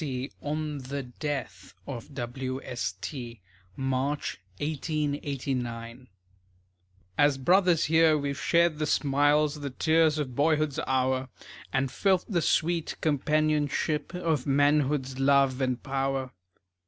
T., on the death of W. S. T., March, 1889._) As brothers here we've shared the smiles, The tears of boyhood's hour, And felt the sweet companionship Of manhood's love and power.